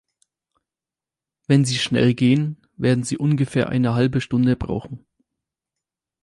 Wenn Sie schnell gehen, werden Sie ungefähr eine halbe Stunde brauchen.